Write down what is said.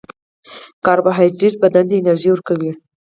کاربوهایډریټ بدن ته انرژي ورکوي